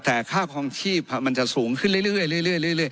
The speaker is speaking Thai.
แต่ค่าคลองชีพมันจะสูงขึ้นเรื่อย